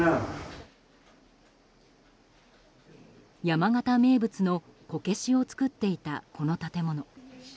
山形名物のこけしを作っていたこの建物。